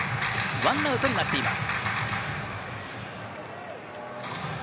１アウトになっています。